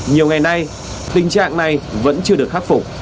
nhiều ngày nay tình trạng này vẫn chưa được khắc phục